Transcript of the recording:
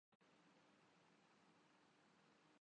شادی ہوتی ہے۔